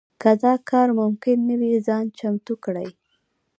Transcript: که دا کار ممکن نه وي ځان چمتو کړي.